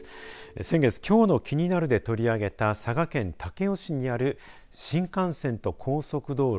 先月、きょうのキニナル！で取り上げた佐賀県武雄市にある新幹線と高速道路